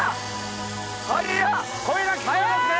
声が聞こえますね。